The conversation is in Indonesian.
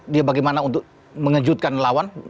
dia bagaimana untuk mengejutkan lawan